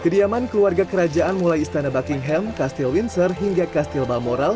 kediaman keluarga kerajaan mulai istana buckingham kastil windsor hingga kastil balmoral